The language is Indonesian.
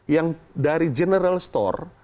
yang dari general store